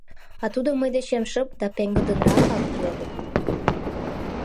А тудо мый дечем шып да пеҥгыдынракак йодо: